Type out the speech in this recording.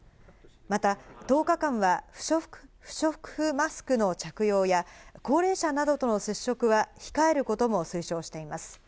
また１０日間は不織布マスクの着用や、高齢者などとの接触は控えることも推奨しています。